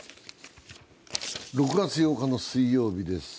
６月８日の水曜日です。